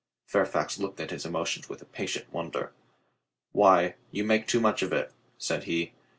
Fairfax looked at his emotions with a patient wonder. "Why, you make too much of it," said he.